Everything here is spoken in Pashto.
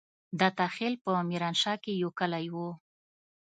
دته خېل په ميرانشاه کې يو کلی وو.